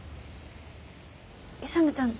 勇ちゃん